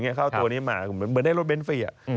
เขาเอาตัวนี้มาเหมือนได้รถเบนฟรีอ่ะ